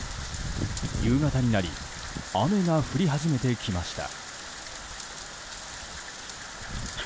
夕方になり雨が降り始めてきました。